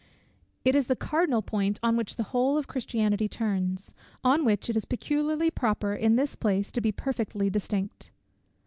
It is the cardinal point on which the whole of Christianity turns; on which it is peculiarly proper in this place to be perfectly distinct.